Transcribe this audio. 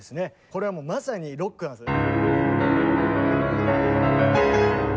これはもうまさにロックなんです。